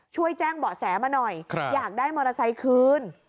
ช่วยแจ้งเบาะแสมาหน่อยอยากได้มอเตอร์ไซค์คืน